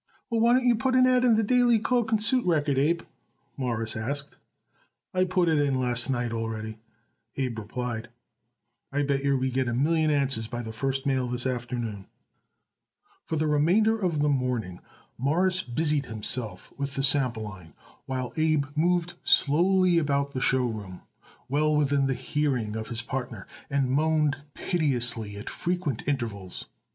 "Well, why don't you put it an ad in the Daily Cloak and Suit Record, Abe?" Morris asked. "I put it in last night already," Abe replied, "and I bet yer we get it a million answers by the first mail this afternoon." For the remainder of the morning Morris busied himself with the sample line, while Abe moved slowly about the show room, well within the hearing of his partner, and moaned piteously at frequent intervals.